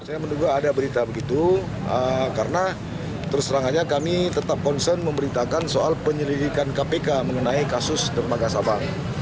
saya menduga ada berita begitu karena terus terangannya kami tetap konsen memberitakan soal penyelidikan kpk mengenai kasus dermaga sabang